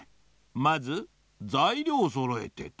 まずざいりょうをそろえてと。